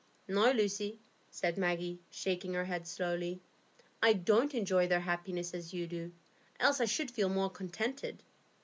"No, Lucy," said Maggie, shaking her head slowly, "I don't enjoy their happiness as you do, else I should be more contented.